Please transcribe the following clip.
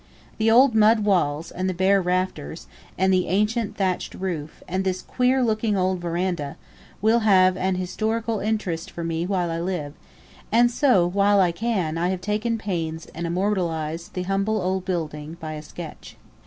The old mud walls and the bare rafters, and the ancient thatched roof, and this queer looking old veranda, will have an historical interest for me while I live, and so, while I can, I have taken pains and immortalized the humble old building by a sketch.